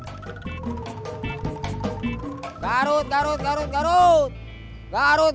garut garut garut garut